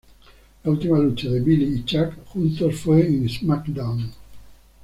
La última lucha de Billy y Chuck juntos fue en "SmackDown!